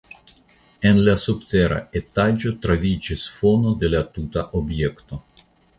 En la subtera etaĝo troviĝis fono de la tuta objekto.